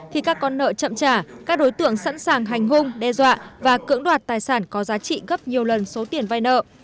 khi các con nợ chậm trả các đối tượng sẵn sàng hành hung đe dọa và cưỡng đoạt tài sản có giá trị gấp nhiều lần số tiền vai nợ